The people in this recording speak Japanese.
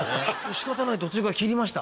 仕方ない途中から切りました。